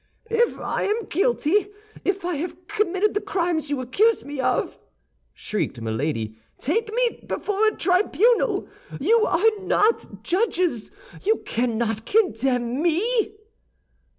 "If I am guilty, if I have committed the crimes you accuse me of," shrieked Milady, "take me before a tribunal. You are not judges! You cannot condemn me!"